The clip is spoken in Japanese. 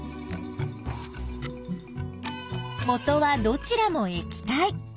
もとはどちらも液体。